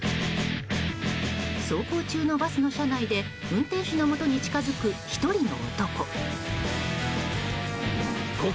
走行中のバスの車内で運転手のもとに近づく１人の男。